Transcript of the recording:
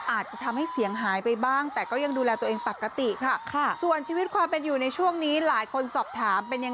อาจจะทำให้เสียงหายไปบ้างแต่ก็ยังดูแลตัวเองปกติค่ะ